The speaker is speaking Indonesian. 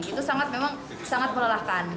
itu memang sangat melelahkan